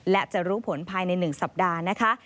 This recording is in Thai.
และจะรู้ผลภายใน๑สัปดาห์นะคะ